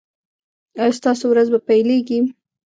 ایا ستاسو ورځ به پیلیږي؟